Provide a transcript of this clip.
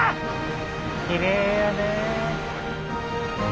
きれいやねえ。